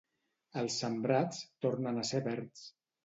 Els sembrats tornen a ser verds